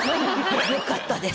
良かったです。